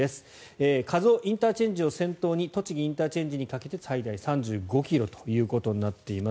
加須ＩＣを先頭に栃木ＩＣにかけて最大３５ｋｍとなっています。